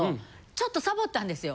ちょっとサボったんですよ。